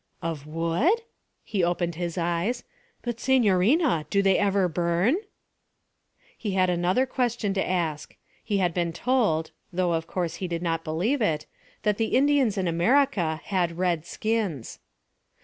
'Of wood?' He opened his eyes. 'But, signorina, do they never burn?' He had another question to ask. He had been told though of course he did not believe it that the Indians in America had red skins.